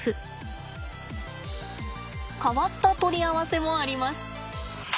変わった取り合わせもあります。